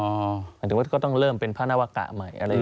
หมายถึงว่าก็ต้องเริ่มเป็นพระนวกะใหม่